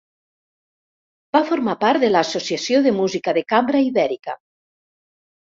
Va formar part de l'Associació de Música de Cambra Ibèrica.